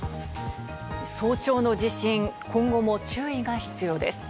早朝の地震、今後も注意が必要です。